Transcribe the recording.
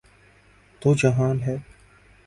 تو جہان ہے۔